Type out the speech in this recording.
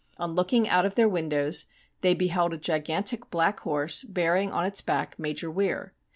On looking out of their windows they beheld Sk gigantic black horse, bearing on its back Major Weir.